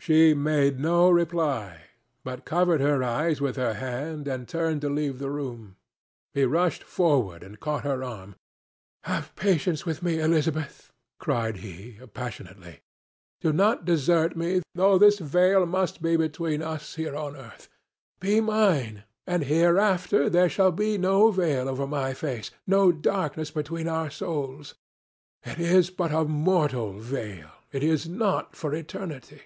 She made no reply, but covered her eyes with her hand and turned to leave the room. He rushed forward and caught her arm. "Have patience with me, Elizabeth!" cried he, passionately. "Do not desert me though this veil must be between us here on earth. Be mine, and hereafter there shall be no veil over my face, no darkness between our souls. It is but a mortal veil; it is not for eternity.